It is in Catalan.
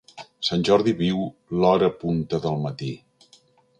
Sant Jordi viu l'hora punta del matí.